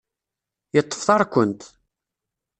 Yeṭṭef tarkent.